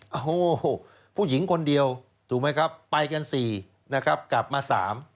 โอ้โหผู้หญิงคนเดียวถูกไหมครับไปกัน๔นะครับกลับมา๓